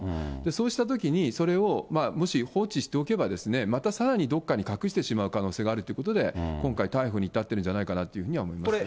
そうしたときにそれをもし放置しておけば、またさらに、どっかに隠してしまう可能性があるということで今回、逮捕に至っているんじゃないかなと思います。